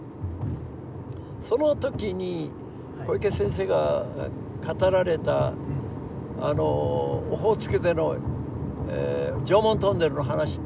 その時に小池先生が語られたあのオホーツクでの常紋トンネルの話とかですね